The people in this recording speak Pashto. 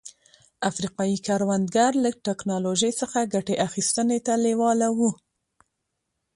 افریقايي کروندګر له ټکنالوژۍ څخه ګټې اخیستنې ته لېواله وو.